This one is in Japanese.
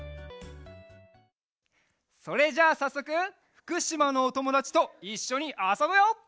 それじゃあさっそくふくしまのおともだちといっしょにあそぶよ！